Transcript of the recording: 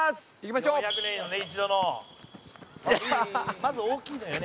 まず、大きいのよね